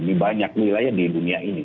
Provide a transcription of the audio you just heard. di banyak wilayah di dunia ini